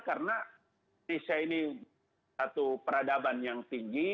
karena indonesia ini satu peradaban yang tinggi